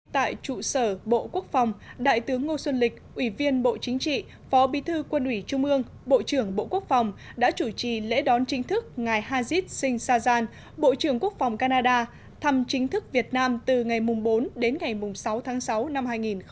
tại trụ sở bộ quốc phòng đại tướng ngô xuân lịch ủy viên bộ chính trị phó bí thư quân ủy trung ương bộ trưởng bộ quốc phòng đã chủ trì lễ đón chính thức ngài hajit singh sajjan bộ trưởng quốc phòng canada thăm chính thức việt nam từ ngày bốn đến ngày sáu tháng sáu năm hai nghìn một mươi chín